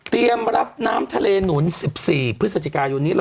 รับน้ำทะเลหนุน๑๔พฤศจิกายนนี้